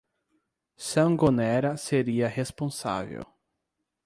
Sangonera seria responsável.